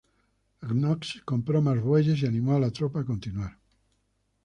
Knox compró más bueyes y animó a la tropa a continuar.